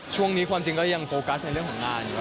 ความจริงก็ยังโฟกัสในเรื่องของงานอยู่